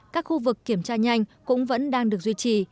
các khu vực kiểm tra nhanh cũng vẫn đang được duy trì